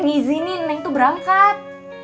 ngizinin neng tuh berangkat